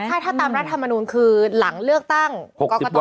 ใช่ถ้าตามประธรภรณูนหรือหลังเลือกตั้งหกสิบ